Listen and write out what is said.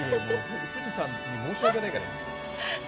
富士山に申し訳ないから。